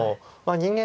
人間